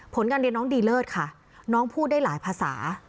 ผลการเรียนน้องดีเลิศค่ะน้องพูดได้หลายภาษา